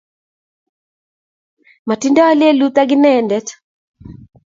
mating'doi lelut ak inendet